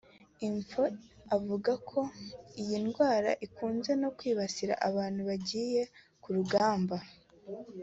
Info avuga ko iyi ndwara ikunze no kwibasira abantu bagiye ku rugamba